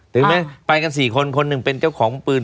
เหมือนไปกัน๔คน๑เป็นเจ้าของปืน